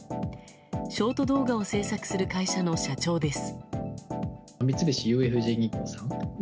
ショート動画を制作する会社の社長です。